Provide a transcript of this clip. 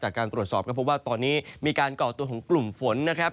จากการตรวจสอบก็พบว่าตอนนี้มีการก่อตัวของกลุ่มฝนนะครับ